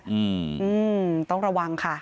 อืมต้องระวังค่ะ